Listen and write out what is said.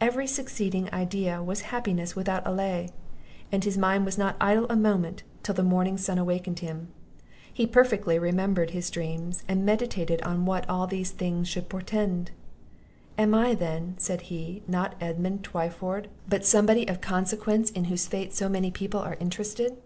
Every succeeding idea was happiness without allay; and his mind was not idle a moment till the morning sun awakened him. He perfectly remembered his dreams, and meditated on what all these things should portend. "Am I then," said he, "not Edmund Twyford, but somebody of consequence in whose fate so many people are interested?